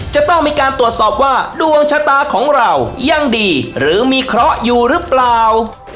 จะต้องมีการตรวจสอบว่าดวงชะตาของเรายังดีหรือมีเคราะห์อยู่หรือเปล่า